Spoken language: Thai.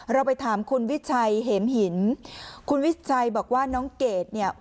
เราไปถามคุณวิชัยเห็มหินคุณวิชัยบอกว่าน้องเกดเนี่ย